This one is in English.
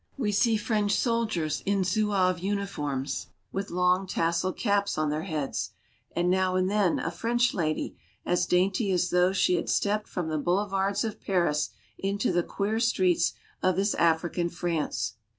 We see French soldiers in Zouave uniforms with long tasseled caps on their heads, and, now and then, a French lady, as dainty as though she had stepped from the boulevards of Paris into the queer streets of this African France.